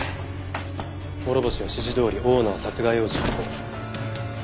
諸星は指示どおりオーナー殺害を実行。